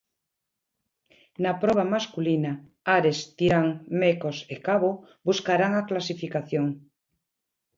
Na proba masculina, Ares, Tirán, Mecos e Cabo buscarán a clasificación.